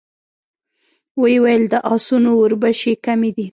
ويې ويل: د آسونو وربشې کمې دي.